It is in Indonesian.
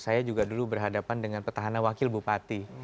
saya juga dulu berhadapan dengan petahana wakil bupati